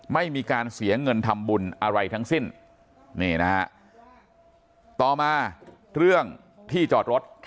ไม่มีการเสียเงินทำบุญอะไรทั้งสิ้นนี่นะฮะต่อมาเรื่องที่จอดรถ